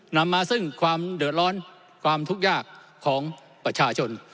นำมาซึ่งความเดือดร้อนความทุกข์ยากของประชาชน